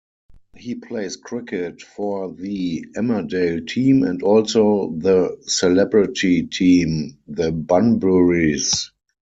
He plays cricket for the Emmerdale team and also the celebrity team, the Bunburys.